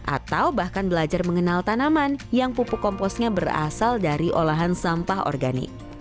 atau bahkan belajar mengenal tanaman yang pupuk komposnya berasal dari olahan sampah organik